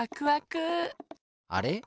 あれ？